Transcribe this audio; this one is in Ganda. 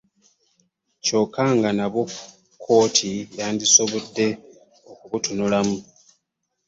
Kyokka nga nabwo kkooti yandisobodde okubutunulamu